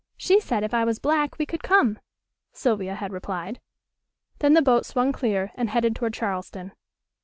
She said if I was black we could come," Sylvia had replied. Then the boat swung clear and headed toward Charleston.